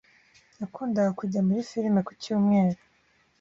Yakundaga kujya muri firime ku cyumweru.